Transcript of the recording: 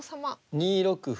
２六歩。